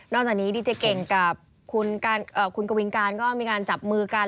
จากนี้ดีเจเก่งกับคุณกวิงการก็มีการจับมือกัน